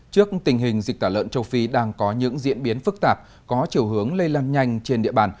trước tình hình dịch tả lợn châu phi đang có những diễn biến phức tạp có chiều hướng lây lan nhanh trên địa bàn